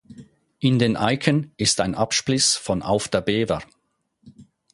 In den Eicken ist ein Abspliss von Auf der Bever.